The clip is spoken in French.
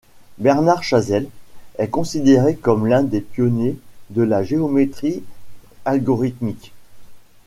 Bernard Chazelle est considéré comme l'un des pionniers de la géométrie algorithmique.